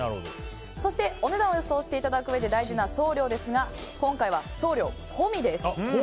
そしてお値段を予想していただくうえで大事な送料ですが今回は送料込みです。